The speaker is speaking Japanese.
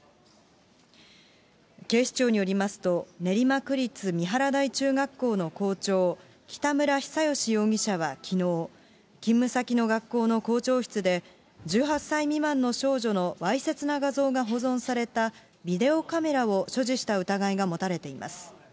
警視庁によりますと、練馬区立三原台中学校の校長、北村比左嘉容疑者はきのう、勤務先の学校の校長室で、１８歳未満の少女のわいせつな画像が保存されたビデオカメラを所持した疑いが持たれています。